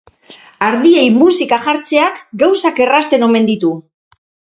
Ardiei musika jartzeak gauzak errazten omen ditu.